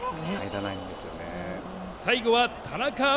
最後は田中碧！